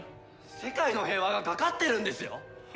世界の平和がかかってるんですよ！？